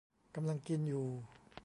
กำลังกินอยู่